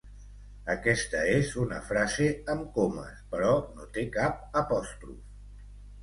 Aquesta és una frase amb comes però no té cap apòstrof.